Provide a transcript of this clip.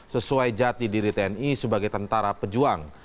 sesuai jati diri tni sebagai tentara pejuang